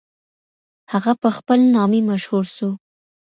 هغه په خپل نامې مشهور سو.